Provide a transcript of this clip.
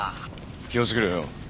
気をつけろよ。